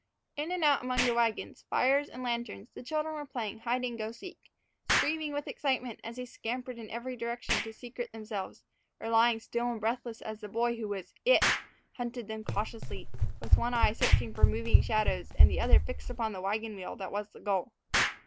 In and out among the wagons, fires, and lanterns the children were playing hide and go seek, screaming with excitement as they scampered in every direction to secrete themselves, or lying still and breathless as the boy who was "it" hunted them cautiously, with one eye searching for moving shadows and the other fixed upon the wagon wheel that was the goal.